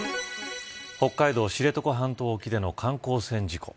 北海道知床半島沖での観光船事故。